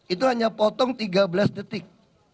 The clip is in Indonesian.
itu hanya potong tiga belas detik